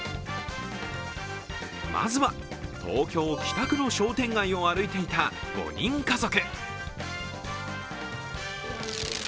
まずは東京・北区の商店街を歩いていた５人家族。